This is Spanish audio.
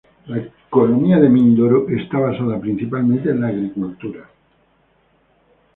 La economía de Mindoro está basada principalmente en la agricultura.